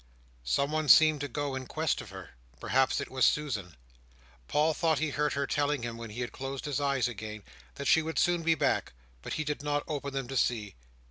Someone seemed to go in quest of her. Perhaps it was Susan. Paul thought he heard her telling him when he had closed his eyes again, that she would soon be back; but he did not open them to see.